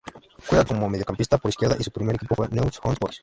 Juega como mediocampista por izquierda y su primer equipo fue Newell's Old Boys.